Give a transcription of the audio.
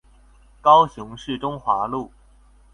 高雄市中華路